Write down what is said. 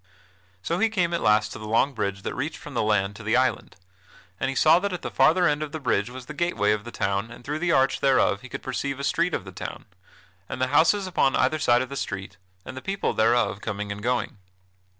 So he came at last to the long bridge that reached from the land to the island, and he saw that at the farther end of the bridge was the gateway of the town and through the arch thereof he could perceive a street of the town, and the houses upon either side of the street, and the people thereof coming and going.